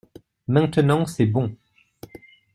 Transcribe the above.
Maintenant c’est bon.